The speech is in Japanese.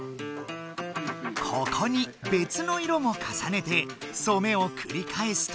ここにべつの色もかさねて染めをくりかえすと。